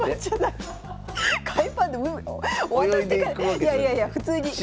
いやいやいや普通に。